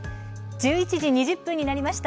１１時２０分になりました。